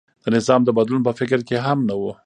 د نظام د بدلون په فکر کې هم نه و.